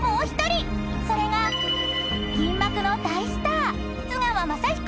［それが銀幕の大スター］